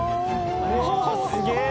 うわーすげえ